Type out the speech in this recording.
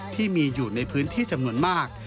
ที่มีอยู่ในพื้นที่จำนวนมาก